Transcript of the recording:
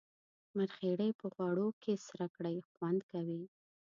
مرخیړي چی غوړو کی سره کړی خوند کوي